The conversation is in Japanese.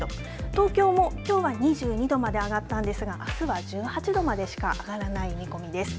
東京もきょうは２２度まで上がったんですがあすは１８度までしか上がらない見込みです。